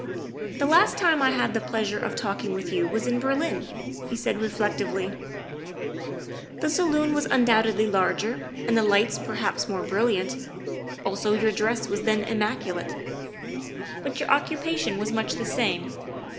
'' The last time I had the pleasure of talking with you was in Berlin, '' he said reflectively ;'' the salon was un doubtedly larger and the lights perhaps more brilliant, also your dress was then immaculate. But your occu pation was much the same.